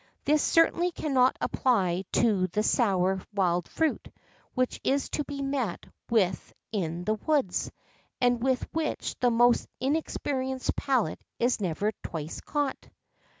[XII 57] This certainly cannot apply to the sour wild fruit which is to be met with in the woods, and with which the most inexperienced palate is never twice caught.